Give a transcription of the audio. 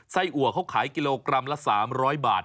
อัวเขาขายกิโลกรัมละ๓๐๐บาท